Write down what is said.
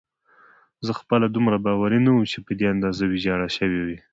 زه خپله دومره باوري نه وم چې په دې اندازه ویجاړه شوې وي.